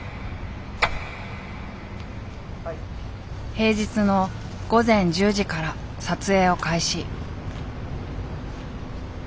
平日の午前１０時から撮影を開始。